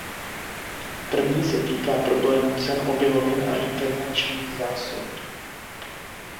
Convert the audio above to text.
První se týká problému cen obilovin a intervenčních zásob.